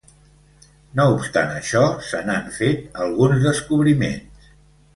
No obstant això, se n'han fet alguns descobriments.